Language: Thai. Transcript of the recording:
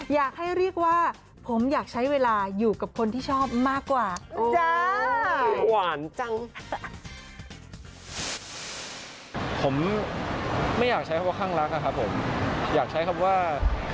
อยากให้เรียกว่าผมอยากใช้เวลาอยู่กับคนที่ชอบมากกว่าจ้า